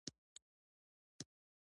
د نارینه او ښځینه نومونو توپیرونه وپېژنئ!